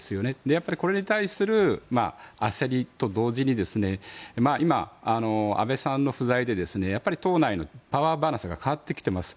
やっぱりこれに対する焦りと同時に今、安倍さんの不在で党内のパワーバランスが変わってきています。